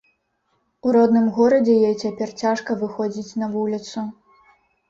У родным горадзе ёй цяпер цяжка выходзіць на вуліцу.